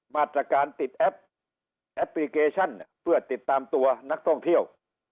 มาตรการติดแอปแอปพลิเคชันเพื่อติดตามตัวนักท่องเที่ยว